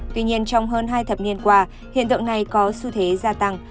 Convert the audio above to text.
tuy nhiên trong hơn hai thập niên qua hiện tượng này có xu thế gia tăng